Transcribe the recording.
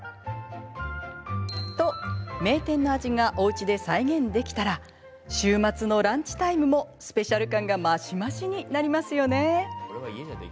と、名店の味がおうちで再現できたなら週末のランチタイムもスペシャル感が増し増しになりますよね。